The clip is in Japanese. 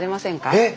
えっ！